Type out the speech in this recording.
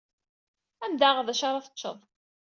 Ad am-d-aɣeɣ d acu ara teččeḍ.